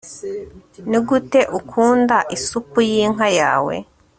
nigute ukunda isupu yinka yawe